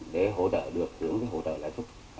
để hỗ trợ được hỗ trợ lãi xuất